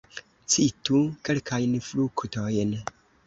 Citu kelkajn fruktojn.